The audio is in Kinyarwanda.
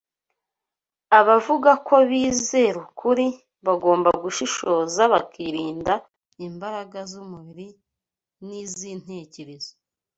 Abavuga ko bizera ukuri bagomba gushishoza bakirinda imbaraga z’umubiri n’iz’intekerezo